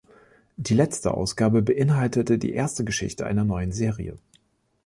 Die letzte Ausgabe beinhaltete die erste Geschichte einer neuen Serie.